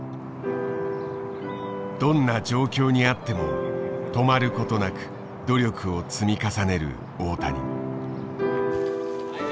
どんな状況にあっても止まることなく努力を積み重ねる大谷。